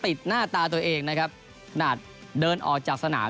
หน้าตาตัวเองนะครับขนาดเดินออกจากสนาม